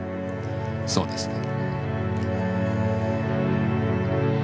そうですか。